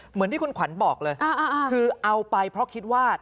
เหมือนที่คุณขวัญบอกเลยคือเอาไปเพราะคิดว่า